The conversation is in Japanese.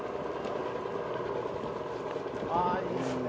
ああいいっすね。